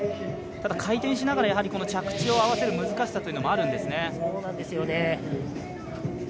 ただ回転しながら着地を合わせる難しさというのもあるんですよねそうなんですよね。